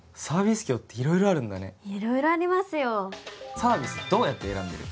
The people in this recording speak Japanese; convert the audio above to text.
サービスどうやって選んでる？